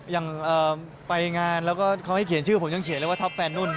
ยังไปงานแล้วก็เขาให้เขียนชื่อผมก็ว่าท็อปแฟนนุ่น